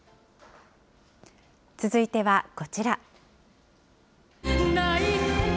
続いてはこちら。